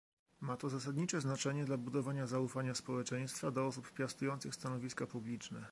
Ma to zasadnicze znaczenie dla budowania zaufania społeczeństwa do osób piastujących stanowiska publiczne